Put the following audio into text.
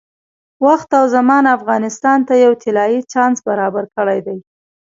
وخت او زمان افغانستان ته یو طلایي چانس برابر کړی دی.